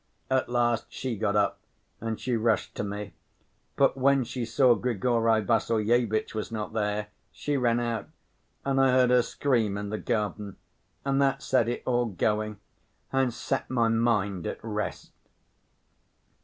At last she got up and she rushed to me, but when she saw Grigory Vassilyevitch was not there, she ran out, and I heard her scream in the garden. And that set it all going and set my mind at rest."